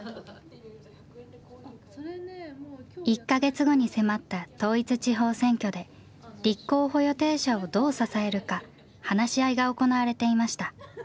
１か月後に迫った統一地方選挙で立候補予定者をどう支えるか話し合いが行われていました。